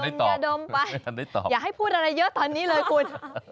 เออดมจะดมไปไม่ทันได้ตอบอย่าให้พูดอะไรเยอะตอนนี้เลยคุณ